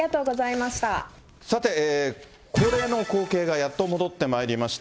さて、恒例の光景がやっと戻ってまいりました。